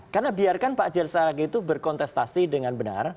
karena biarkan pak c r saraghe itu berkontestasi dengan benar